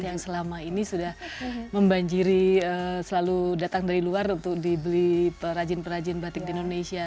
yang selama ini sudah membanjiri selalu datang dari luar untuk dibeli perajin perajin batik di indonesia